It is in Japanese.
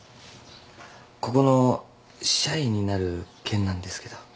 ここの社員になる件なんですけど。